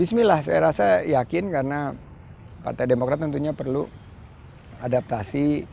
bismillah saya rasa yakin karena partai demokrat tentunya perlu adaptasi